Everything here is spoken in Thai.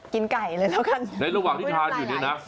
กินไก่เลยแล้วกัน